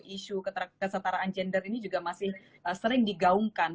isu kesetaraan gender ini juga masih sering digaungkan